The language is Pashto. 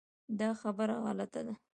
دا خبره غلطه ده .